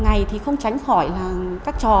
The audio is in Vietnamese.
ngày thì không tránh khỏi là các trò